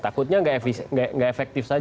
takutnya gak efektif saja